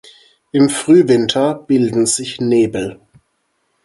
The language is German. Im Frühwinter bilden sich Nebel.